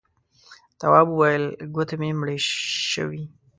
تواب وويل: گوتې مې مړې شوې.